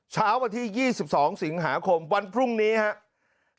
เช้าวันที่๒๒สิงหาคมวันพรุ่งนี้ครับ